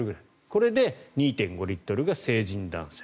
これで２．５リットルが成人男性。